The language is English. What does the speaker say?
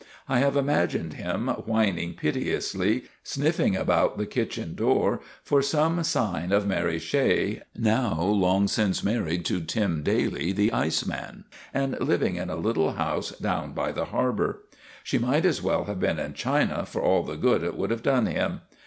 I have imagined him whining piteously, sniffing about the kitchen door for some sign of Mary Shea, now long since married to Tim Daly, the iceman, and living in a little house down by the Harbor. She might as well have been in China for all the good it would have done him.